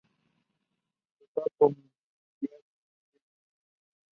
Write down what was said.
Empezó en la comedia judía siendo un niño.